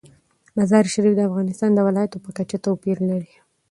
مزارشریف د افغانستان د ولایاتو په کچه توپیر لري.